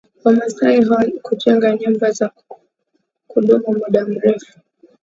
wamasai hawakujenga nyumba za kudumu muda mrefu